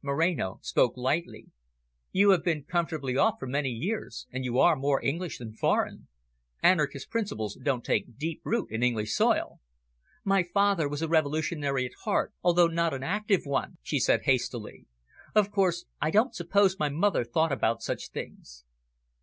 Moreno spoke lightly. "You have been comfortably off for many years, and you are more English than foreign. Anarchist principles don't take deep root in English soil." "My father was a revolutionary at heart, although not an active one," she said hastily. "Of course, I don't suppose my mother thought about such things."